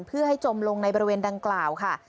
เพื่อให้จมลงในบริเวณดังกล่าวค่ะ